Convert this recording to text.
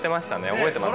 覚えてます